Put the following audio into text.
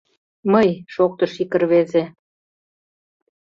— Мый! — шоктыш ик рвезе.